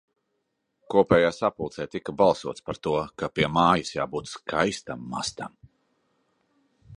Kopējā sapulcē tika balsots par to, ka pie mājas jābūt skaistam mastam.